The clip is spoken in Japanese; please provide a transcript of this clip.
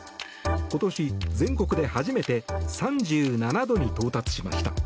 今年全国で初めて３７度に到達しました。